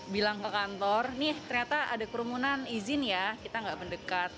bilang ke kantor nih ternyata ada kerumunan izin ya kita nggak mendekat